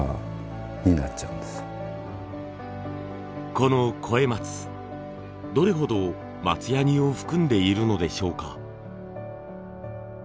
この肥松どれほど松ヤニを含んでいるのでしょうか。